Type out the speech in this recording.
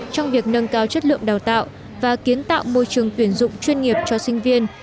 trong việc nâng cao chất lượng đào tạo và kiến tạo môi trường tuyển dụng chuyên nghiệp cho sinh viên